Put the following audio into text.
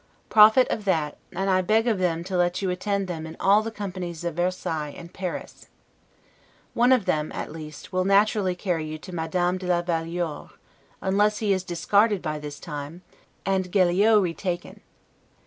Profit of that, and beg of them to let you attend them in all the companies of Versailles and Paris. One of them, at least, will naturally carry you to Madame de la Valiores, unless he is discarded by this time, and Gelliot [A famous opera singer at Paris.] retaken.